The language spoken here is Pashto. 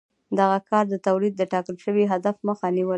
دغه کار د تولید د ټاکل شوي هدف مخه نیوله.